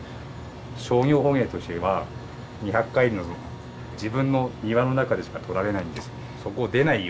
商業捕鯨としては２００海里の自分の庭の中でしか獲られないんですよ。